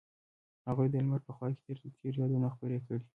هغوی د لمر په خوا کې تیرو یادونو خبرې کړې.